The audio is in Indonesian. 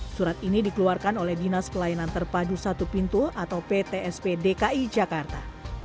surat ini dikeluarkan oleh dinas pelayanan terpadu satu pintu atau ptsp dki jakarta